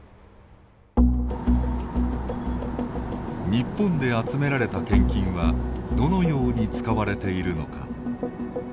日本で集められた献金はどのように使われているのか。